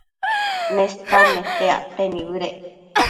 Nestan nete acte nibëdec